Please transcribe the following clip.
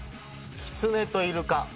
キツネとイルカ。